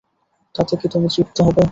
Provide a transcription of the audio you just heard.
তাতে কি তুমি তৃপ্ত হবে?